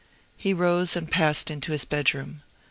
He rose and passed into his bedroom.